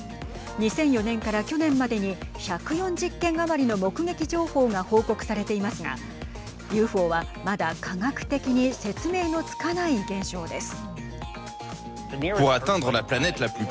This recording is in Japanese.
２００４年から去年までに１４０件余りの目撃情報が報告されていますがＵＦＯはまだ科学的に説明のつかない現象です。